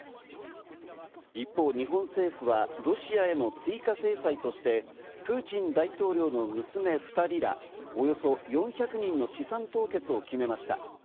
一方、日本政府はロシアへの追加制裁として、プーチン大統領の娘２人ら、およそ４００人の資産凍結を決めました。